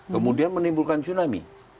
kemudian menimbulkan tsunami